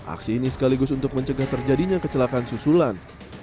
aksi ini sekaligus untuk mencegah terjadinya kecelakaan susulan